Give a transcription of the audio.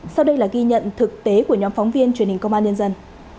sau đây là ghi nhận thực tế của nhóm phóng viên truyền hình công an nhân dân